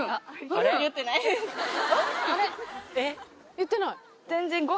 言ってない？